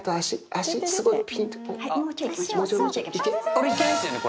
これいけますよね。